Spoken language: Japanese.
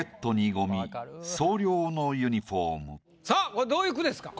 これどういう句ですか？